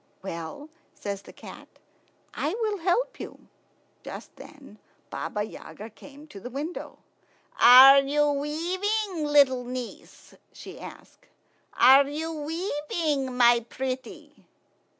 "Well," says the cat, "I will help you." Just then Baba Yaga came to the window. "Are you weaving, little niece?" she asked. "Are you weaving, my pretty?"